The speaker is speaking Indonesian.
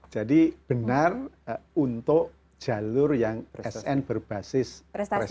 jadi benar untuk jalur yang sn berbasis prestasi